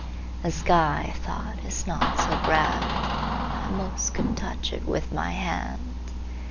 The sky, I thought, is not so grand;I 'most could touch it with my hand!